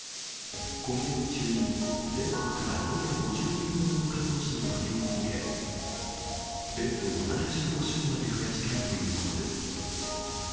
今月中に、全国から延べ５０人ほどの看護師の派遣を受け、ベッドを７５床まで増やしたいということです。